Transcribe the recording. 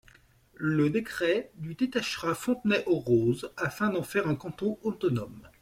Le décret du détachera Fontenay-aux-Roses afin d'en faire un canton autonome.